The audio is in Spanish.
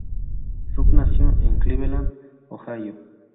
Ruck nació en Cleveland, Ohio.